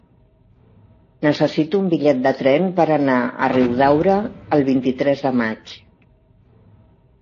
Necessito un bitllet de tren per anar a Riudaura el vint-i-tres de maig.